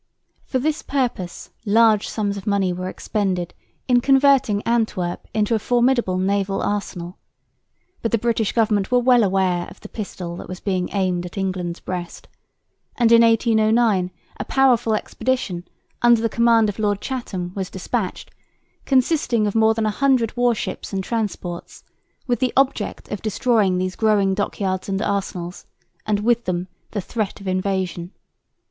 For this purpose large sums of money were expended in converting Antwerp into a formidable naval arsenal. But the British government were well aware of "the pistol that was being aimed at England's breast"; and in 1809 a powerful expedition under the command of Lord Chatham was despatched, consisting of more than 100 warships and transports, with the object of destroying these growing dockyards and arsenals, and with them the threat of invasion.